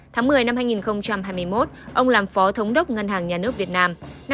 tháng một mươi năm hai nghìn hai mươi một ông làm phó thống đốc ngân hàng nhà nước việt nam